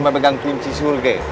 memegang kunci surga